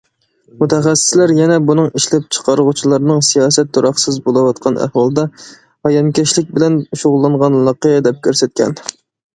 مۇتەخەسسىسلەر يەنە بۇنىڭ ئىشلەپچىقارغۇچىلارنىڭ سىياسەت تۇراقسىز بولۇۋاتقان ئەھۋالدا ھايانكەشلىك بىلەن شۇغۇللانغانلىقى دەپ كۆرسەتكەن.